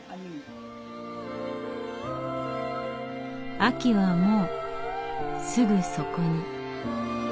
秋はもうすぐそこに。